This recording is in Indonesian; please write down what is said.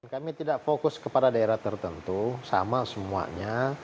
kami tidak fokus kepada daerah tertentu sama semuanya